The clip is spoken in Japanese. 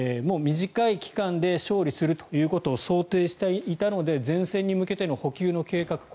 短い期間で勝利するということを想定していたので前線に向けての補給の計画